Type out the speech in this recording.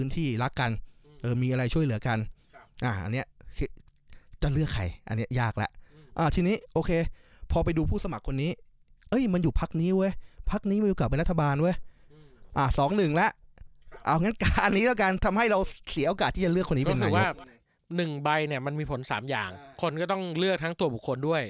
ที่รักกันเออมีอะไรช่วยเหลือกันอ่าอันเนี้ยจะเลือกใครอันเนี้ยยากละอ่าทีนี้โอเคพอไปดูผู้สมัครคนนี้เอ้ยมันอยู่พักนี้เว้ยพักนี้มันอยู่กลับไปรัฐบาลเว้ยอ่าสองหนึ่งละเอางั้นการนี้แล้วกันทำให้เราเสียโอกาสที่จะเลือกคนนี้เป็นไงรู้สึกว่าหนึ่งใบเนี้ยมันมีผลสามอย่างคนก็ต้องเลือกทั้งตัวบุคคลด้วย